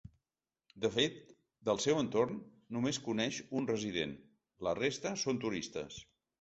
De fet, del seu entorn, només coneix un resident: la resta són turistes.